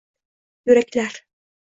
yuraklar